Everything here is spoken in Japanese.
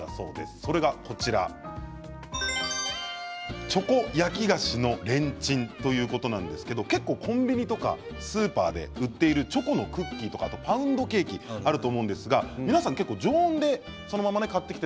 それがチョコ焼き菓子のレンチンということなんですけど結構コンビニとかスーパーで売っているチョコのクッキーとかパウンドケーキがあると思うんですけど皆さん結構常温でそのまま買ってきて